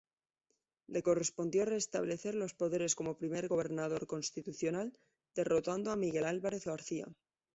Le correspondió restablecer los poderes como Primer Gobernador Constitucional, derrotando a Miguel Álvarez García.